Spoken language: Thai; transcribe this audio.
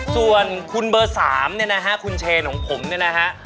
ส่วนคุณเบอร์๓เนี่ยนะฮะคุณเชนของผมเนี่ยนะฮะ